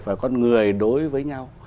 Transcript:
và con người đối với nhau